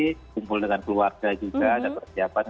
kumpul dengan keluarga juga ada persiapan